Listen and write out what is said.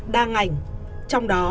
đa ngành trong đó